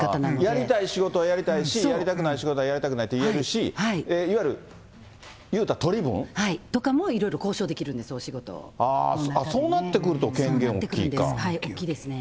やりたい仕事はやりたいし、やりたくない仕事はやりたくないと言えるし、いわゆる、いうたら取り分。とかもいろいろ交渉できるんです、そうなってくると、権限大き大きいですね。